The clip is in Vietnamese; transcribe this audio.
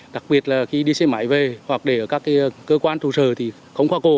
đặc biệt là khi đi xe máy về hoặc để ở các cơ quan trụ sở thì không khoa cổ